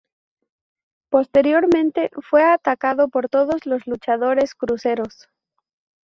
Posteriormente, fue atacado por todos los luchadores cruceros.